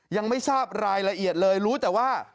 ยังไม่ทราบรายละเอียดเลยรู้แต่ว่า